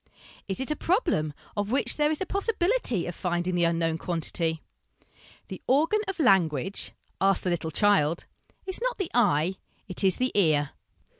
Is it a problem of which there is a possibility of finding the unknown quantity? ... The organ of language ask the little child is not the eye: it is the ear.